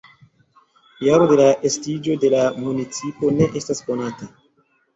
Jaro de la estiĝo de la municipo ne estas konata.